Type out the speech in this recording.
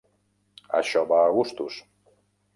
Això va a gustos.